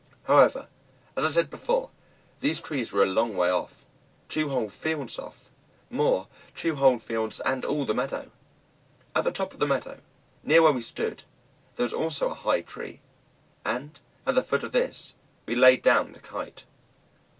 However, as I said before, these trees were a long way off two whole fields off more, two whole fields and all the meadow. At the top of the meadow, near where we stood, there was also a high tree, and at the foot of this we laid down the Kite.